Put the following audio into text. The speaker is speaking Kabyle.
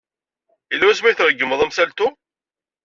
Yella wasmi ay tregmeḍ amsaltu?